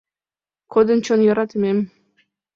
Кодын чон йӧратымем.